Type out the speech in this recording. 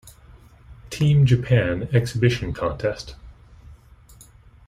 Team Japan exhibition contest.